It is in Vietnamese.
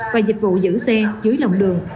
và dịch vụ giữ xe dưới lòng đường